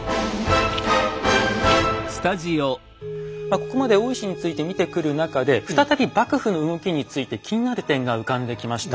ここまで大石について見てくる中で再び幕府の動きについて気になる点が浮かんできました。